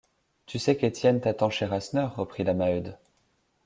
Tu sais qu’Étienne t’attend chez Rasseneur, reprit la Maheude.